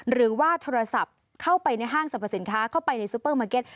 หรือว่าโทรศัพท์เข้าไปในห้างสรรพสินค้าเข้าไปในซูเปอร์มาร์เก็ต